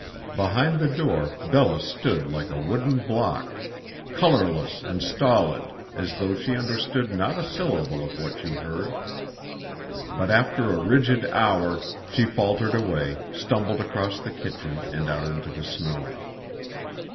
Behind the door Bella stood like a wooden block, colorless and stolid as though she understood not a syllable of what she heard. But after a rigid hour she faltered away, stumbled across the kitchen and out into the snow.